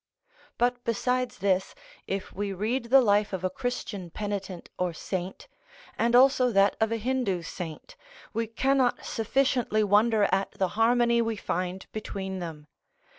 But besides this, if we read the life of a Christian penitent or saint, and also that of a Hindu saint, we cannot sufficiently wonder at the harmony we find between them.